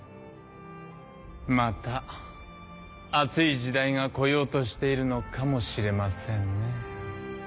また熱い時代が来ようとしているのかもしれませんねぇ。